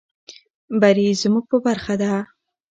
بري زموږ په برخه ده.